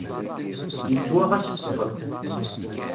Yettwaɣ-as ssqef.